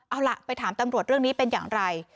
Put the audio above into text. เอาล่ะไปถามตำรวจเรื่องนี้เป็นอย่างไร